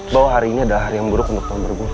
bahwa hari ini adalah hari yang buruk untuk pemburu buru